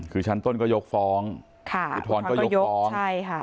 คือชั้นต้นก็ยกฟ้องถอนก็ยกฟ้อง